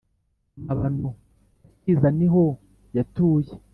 Mabano acyiza ni ho yatuye